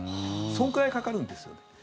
そのくらいかかるんですよ。